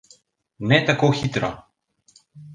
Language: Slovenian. Ne tako hitro.